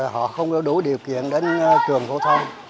họ không có đủ điều kiện đến trường phổ thông